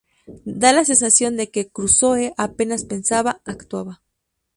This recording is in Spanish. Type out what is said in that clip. Da la sensación de que Crusoe apenas pensaba: actuaba.